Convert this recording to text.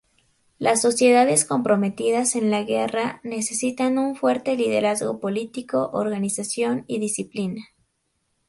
Las sociedades comprometidas en la guerra necesitan un fuerte liderazgo político, organización y disciplina.